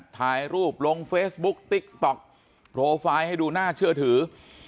ถ่ายรูปลงเฟซบุ๊กติ๊กต๊อกโปรไฟล์ให้ดูน่าเชื่อถือ